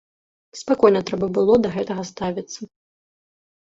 Спакойна трэба было да гэтага ставіцца.